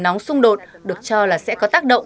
nóng xung đột được cho là sẽ có tác động